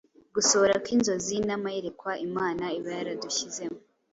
Gusohora kw’inzozi n’amayerekwa Imana iba yaradushyizemo